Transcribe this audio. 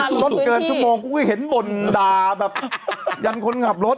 รถเกินชั่วโมงกูก็เห็นบ่นด่าแบบยันคนขับรถ